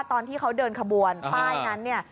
ตอนที่เขาเดินขบวนป้ายนั้นเนี่ย